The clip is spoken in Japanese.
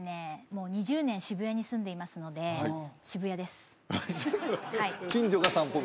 もう２０年渋谷に住んでいますので近所が散歩道？